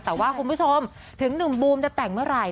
แต่ว่าคุณผู้ชมถึงหนุ่มบูมจะแต่งเมื่อไหร่